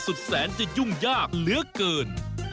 สุดแสนจะยุ่งยากเหลือเกิน